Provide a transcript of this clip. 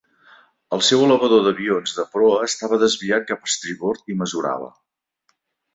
El seu elevador d'avions de proa estava desviat cap a estribord i mesurava.